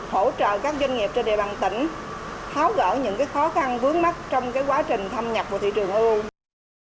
hỗ trợ các doanh nghiệp trên địa bàn tỉnh tháo gỡ những khó khăn vướng mắt trong quá trình thâm nhập vào thị trường eu